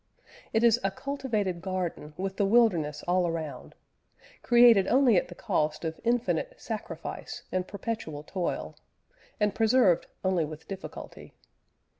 It is a cultivated garden with the wilderness all around; created only at the cost of infinite sacrifice and perpetual toil, and preserved only with difficulty.